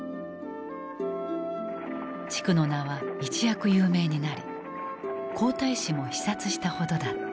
地区の名は一躍有名になり皇太子も視察したほどだった。